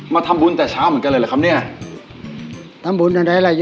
มาทำบุญแต่เช้าเหมือนกันเลยเหรอครับเนี่ย